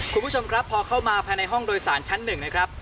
คุณผู้ชมครับพอเข้ามาภายในห้องโดยสารชั้นหนึ่งนะครับ